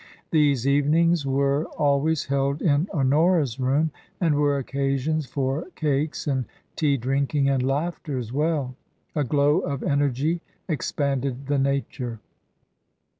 Jhese evenings were always held in Honora's room, and were occasions for cakes and tea drinking, and laughter as well. A glow of energy expanded the nature.